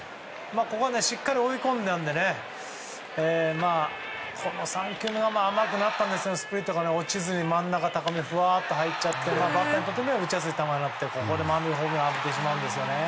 ここはしっかり追い込んだのでこの３球目も甘くなったんですけどスプリットが落ちずに真ん中の高めに入っちゃってバッターにとってみれば打ちやすい球でここで満塁ホームランを浴びてしまうんですね。